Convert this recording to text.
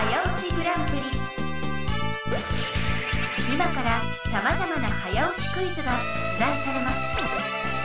今からさまざまな早押しクイズが出題されます。